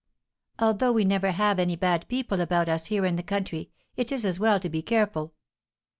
"Although we never have any bad people about us here in the country, it is as well to be careful."